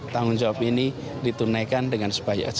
tahun jawab ini ditunaikan dengan sebaik baiknya